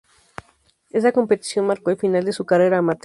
Esta competición marcó el final de su carrera amateur.